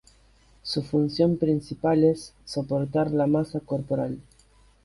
Su función principal es soportar la masa corporal.